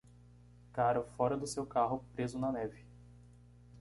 Cara fora do seu carro preso na neve.